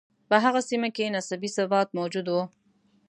په هغه سیمه کې نسبي ثبات موجود و.